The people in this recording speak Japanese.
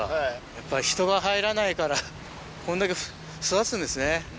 やっぱ人が入らないからこんだけ育つんですね。